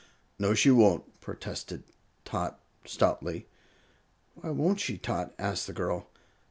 "No, she won't," protested Tot, stoutly. "Why won't she, Tot?" asked the girl.